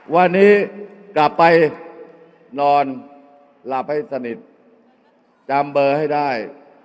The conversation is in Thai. วันนี้กลับไปนอนหลับให้สนิทจำเบอร์ให้ได้